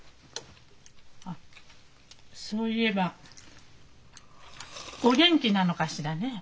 あっそういえばお元気なのかしらねえ？